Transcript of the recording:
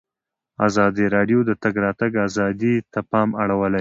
ازادي راډیو د د تګ راتګ ازادي ته پام اړولی.